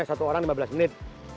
satu orang lima belas menit